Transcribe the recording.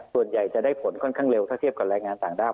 ส่วนใหญ่จะได้ผลค่อนข้างเร็วถ้าเทียบกับแรงงานต่างด้าว